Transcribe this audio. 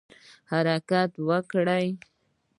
حرکت وکړئ